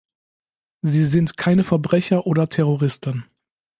Sie sind keine Verbrecher oder Terroristen.